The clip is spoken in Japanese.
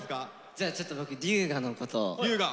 じゃあちょっと僕龍我のことを。